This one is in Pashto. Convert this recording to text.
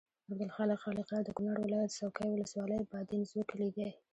عبدالخالق خالقیار د کونړ ولایت څوکۍ ولسوالۍ بادینزو کلي دی.